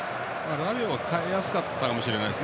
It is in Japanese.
ラビオは代えやすかったかもしれないです。